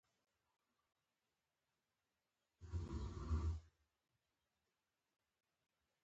دا هېڅ امکان نه لري چې جغرافیوي موقعیت یې لامل وي